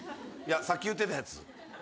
さっき言うてたやつ。